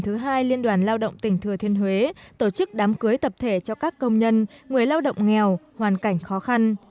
thứ hai liên đoàn lao động tỉnh thừa thiên huế tổ chức đám cưới tập thể cho các công nhân người lao động nghèo hoàn cảnh khó khăn